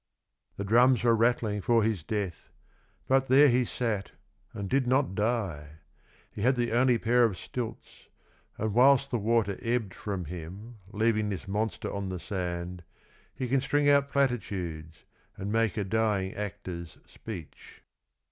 The drums were rattling for his death, but there he sat, and did not die. He had the only pair of stilts, and whilst the water ebbed from him leaving this, monster on the sand, he can string out platitudes, and make a dying actor's speech.